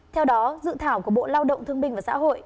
theo đó dự thảo của bộ lao động thương binh và xã hội